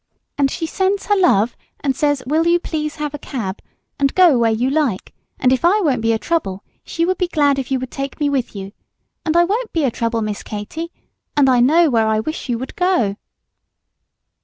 "And she sends her love, and says will you please have a cab and go where you like; and if I won't be a trouble, she would be glad if you would take me with you. And I won't be a trouble, Miss Katy, and I know where I wish you would go."